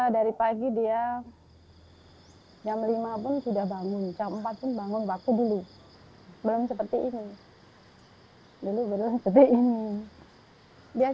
dari pagi dia jam lima pun sudah bangun